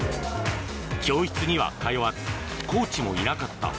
教室には通わずコーチもいなかった。